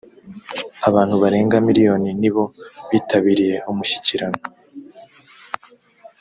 abantu barenga miriyoni nibo bitabiriye umushyikirano